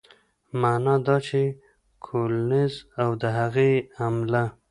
معنا دا چې کولینز او د هغې عمله